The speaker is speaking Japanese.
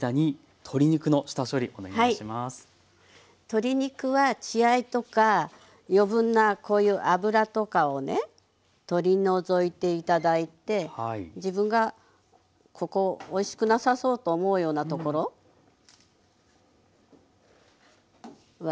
鶏肉は血合いとか余分なこういう脂とかをね取り除いて頂いて自分がここおいしくなさそうと思うようなところは取っちゃって下さい。